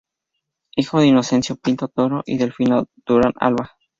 Hijo de Inocencio Pinto Toro y Delfina Durán Alba.